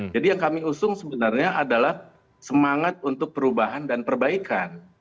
yang kami usung sebenarnya adalah semangat untuk perubahan dan perbaikan